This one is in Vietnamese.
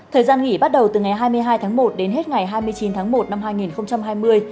thời gian nghỉ bắt đầu từ ngày hai mươi hai tháng một đến hết ngày hai mươi chín tháng một năm hai nghìn hai mươi